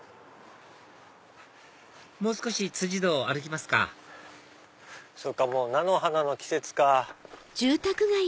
もう少し堂歩きますかもう菜の花の季節か。